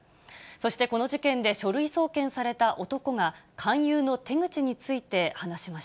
そしてこの事件で書類送検された男が、勧誘の手口について話しま